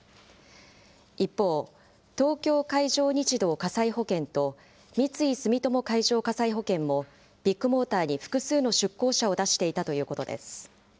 一方、東京海上日動火災保険と三井住友海上火災保険も、ビッグモーターに複数の出向者を出していたということです。